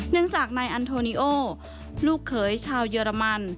เนื่องจากนายอันโทนิโอลูกเขยชาวเยอรมัน